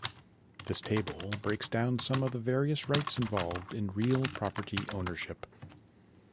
This table breaks down some of the various rights involved in real property ownership.